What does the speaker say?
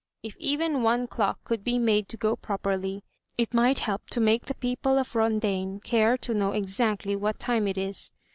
If even one clock could be made to go properly, it might help to make the people of Rondaine care to know exactly what time it is.